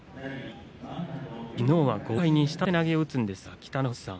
きのうは豪快に下手投げを打つんですが、北の富士さん。